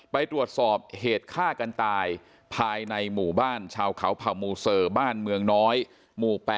ไปตรวจสอบเหตุฆ่ากันตายภายในหมู่บ้านชาวเขาเผ่ามูเซอร์บ้านเมืองน้อยหมู่๘